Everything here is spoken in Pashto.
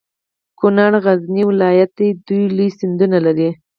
کنړ غرنی ولایت ده او دوه لوی سیندونه لري.